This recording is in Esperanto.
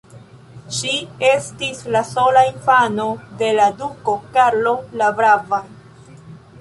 Ŝi estis la sola infano de la duko Karlo la brava.